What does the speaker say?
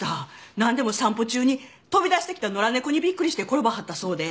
何でも散歩中に飛び出してきた野良猫にびっくりして転ばはったそうで。